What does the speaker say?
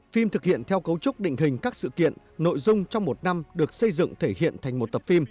phim thực hiện theo cấu trúc định hình các sự kiện nội dung trong một năm được xây dựng thể hiện thành một tập phim